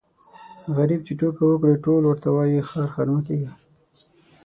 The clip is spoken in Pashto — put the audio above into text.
غريب چي ټوکه وکړي ټول ورته وايي خر خر مه کېږه.